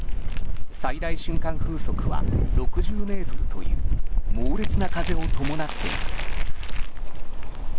最大瞬間風速は６０メートルという猛烈な風を伴っています。